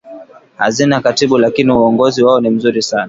hazina katiba lakini uongozi wao ni mzuri sana